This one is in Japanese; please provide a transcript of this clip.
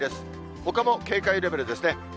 ほかも警戒レベルですね。